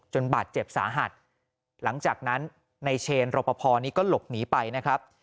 บาดเจ็บสาหัสหลังจากนั้นในเชนรปภนี้ก็หลบหนีไปนะครับ